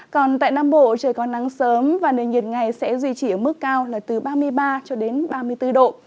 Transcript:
còn tại nam bộ trời còn nắng sớm và nền nhiệt ngày sẽ duy trì ở mức cao là từ ba mươi ba cho đến ba mươi bốn độ